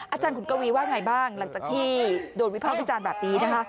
อาจารย์ขุนกะวีว่าอย่างไรบ้างหลังจากที่โดนวิภาพวิจารณ์แบบนี้